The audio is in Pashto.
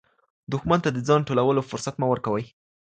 دښمن ته د ځان ټولولو فرصت مه ورکوئ.